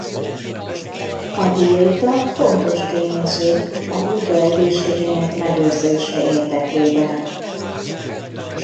A diéta fontos tényező a kutya egészségének megőrzése érdekében.